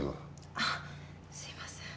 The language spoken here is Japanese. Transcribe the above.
あっすいません。